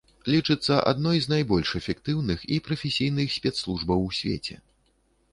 Лічыцца адной з найбольш эфектыўных і прафесійных спецслужбаў у свеце.